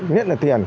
nhất là tiền